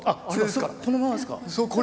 このままですか。